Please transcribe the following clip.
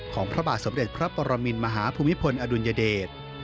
พระบาทสมเด็จพระปรมินมหาภูมิพลอดุลยเดช